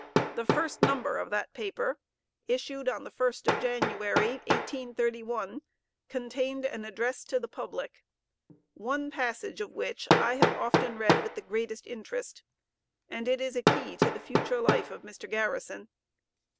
The first number of that paper, issued on the 1st January, 1831, contained an address to the public, one passage of which I have often read with the greatest interest, and it is a key to the future life of Mr. Garrison.